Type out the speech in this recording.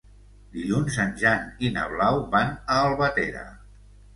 Dilluns en Jan i na Blau van a Albatera.